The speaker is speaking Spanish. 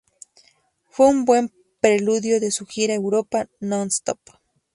Fue un buen preludio de su gira “Europa, non stop!